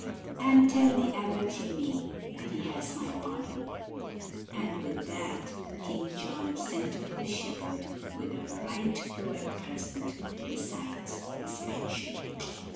And tell the Abbot from me that he has my pardon." And with that King John sent away the shepherd with a right royal present, besides his pension.